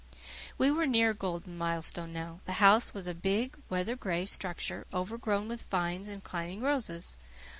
We were near Golden Milestone now. The house was a big, weather gray structure, overgrown with vines and climbing roses.